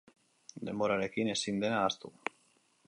Denborarekin ezin dena ahaztu.